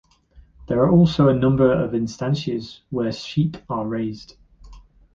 There are also a number of "estancias", where sheep are raised.